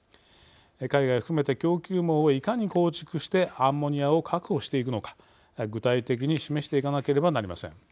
海外含めて供給網をいかに構築してアンモニアを確保していくのか具体的に示していかなければなりません。